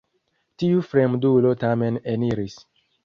Tiu fremdulo tamen eniris.